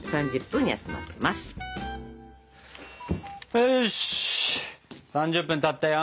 よし３０分たったよ。